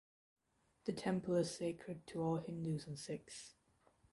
The temple is sacred to all Hindus and Sikhs.